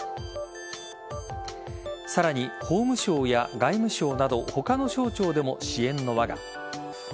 さらに、法務省や外務省など他の省庁でも支援の輪が。